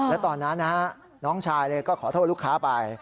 แล้วตอนนั้นน้องชายก็ขอโทษลูกค้าไป